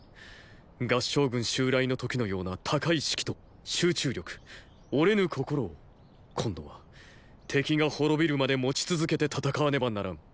合従軍襲来の時のような高い士気と集中力折れぬ心を今度は敵が滅びるまで持ち続けて戦わねばならん。